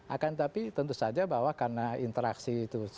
akan tetapi tentu saja bahwa karena interaksi itu